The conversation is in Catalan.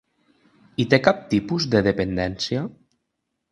I té cap tipus de dependència?